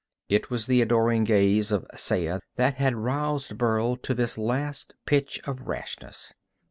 It was the adoring gaze of Saya that had roused Burl to this last pitch of rashness.